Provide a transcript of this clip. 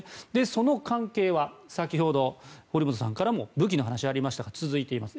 その関係は先ほど堀本さんからも武器の話がありましたが続いています。